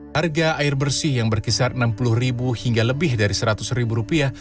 harga air bersih yang berkisar enam puluh hingga lebih dari seratus rupiah